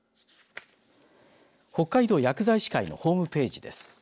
北海道薬剤師会のホームページです。